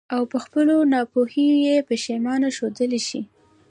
او په خپلو تباهيو ئې پښېمانه ښودلے شي.